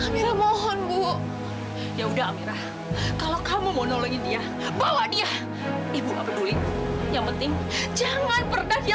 mohon bu ya udah kalau kamu mau nolongin dia bawa dia ibu yang penting jangan pernah dia